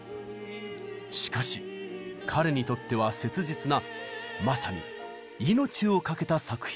しかし彼にとっては切実なまさに命を懸けた作品だったのです。